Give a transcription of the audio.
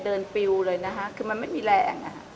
ปิวเลยนะคะคือมันไม่มีแรง